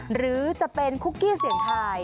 หรือจะเป็นคุกกี้เสี่ยงทาย